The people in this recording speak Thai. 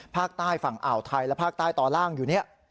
ภาคใต้ฝั่งอ่าวไทยและภาคใต้ตอนล่างอยู่เนี่ย